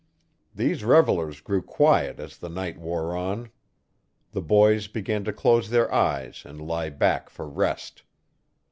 These revellers grew quiet as the night wore on. The boys began to close their eyes and lie back for rest.